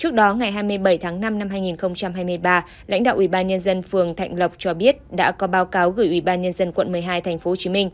trước đó ngày hai mươi bảy tháng năm năm hai nghìn hai mươi ba lãnh đạo ủy ban nhân dân phường thạnh lộc cho biết đã có báo cáo gửi ủy ban nhân dân quận một mươi hai tp hcm